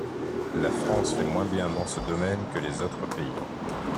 La France fait moins bien dans ce domaine que les autres pays.